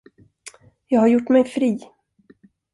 Jag har gjort mig fri.